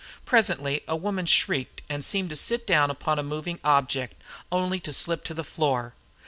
Presently a woman shrieked and seemed to sit down upon a moving object only to slip to the floor.